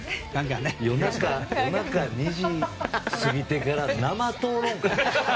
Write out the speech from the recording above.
夜中２時過ぎてから生討論会。